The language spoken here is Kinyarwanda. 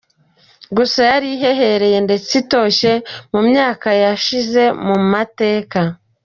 Gusa yari ihehereye ndetse itoshye mu myaka yashize mu mateka.